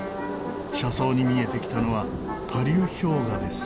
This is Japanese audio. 車窓に見えてきたのはパリュ氷河です。